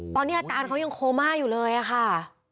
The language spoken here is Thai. ตอนนี้อาการเขายังโคม่าอยู่เลยอะค่ะ